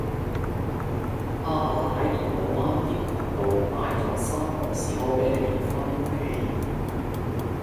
亞爸喺銅鑼灣益群道買左三磅士多啤梨返屋企